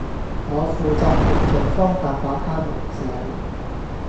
我負責用盡方法把她弄醒